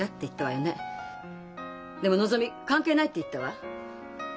でものぞみ関係ないって言ったわ。